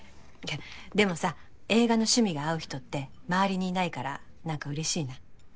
でもさ映画の趣味が合う人って周りにいないから何か嬉しいな。